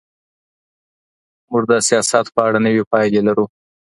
موږ د سياست په اړه نوې پايلې لرو.